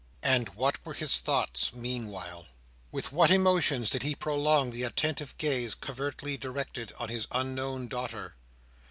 And what were his thoughts meanwhile? With what emotions did he prolong the attentive gaze covertly directed on his unknown daughter?